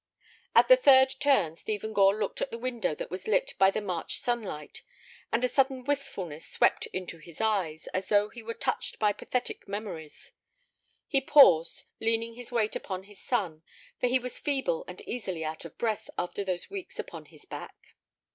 At the third turn Stephen Gore looked at the window that was lit by the March sunlight, and a sudden wistfulness swept into his eyes, as though he were touched by pathetic memories. He paused, leaning his weight upon his son, for he was feeble and easily out of breath after those weeks upon his back.